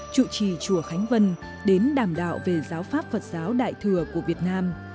chủ trì chùa khánh vân đến đảm đạo về giáo pháp phật giáo đại thừa của việt nam